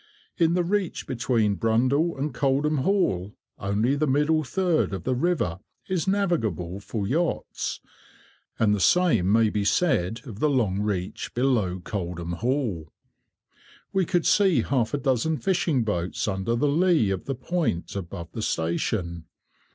In the reach between Brundall and Coldham Hall only the middle third of the river is navigable for yachts; and the same may be said of the long reach below Coldham Hall. We could see half a dozen fishing boats under the lee of the point above the station.